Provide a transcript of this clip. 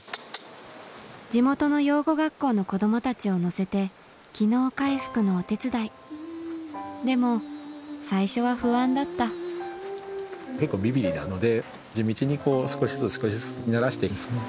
地元の養護学校の子供たちを乗せて機能回復のお手伝いでも最初は不安だった結構ビビりなので地道にこう少しずつ少しずつならして行くんですね。